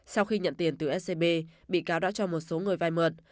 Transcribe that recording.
sau khi nhận tiền từ scb bị cáo đã cho một số người vai mượn